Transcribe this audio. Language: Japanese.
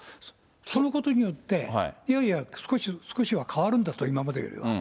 そのことによって、いやいや、少しは変わるんだと、今までよりはと。